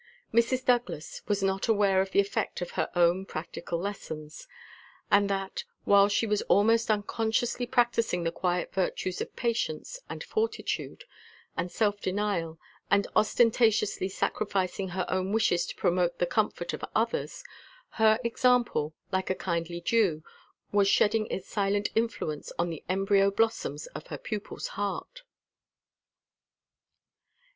Mrs. Douglas was not aware of the effect of her own practical lessons; and that, while she was almost unconsciously practising the quiet virtues of patience, and fortitude, and self denial, and unostentatiously sacrificing her own wishes to promote the comfort of others, her example, like a kindly dew, was shedding its silent influence on the embryo blossoms of her pupil's heart.